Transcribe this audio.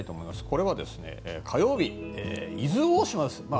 これは火曜日、伊豆大島です。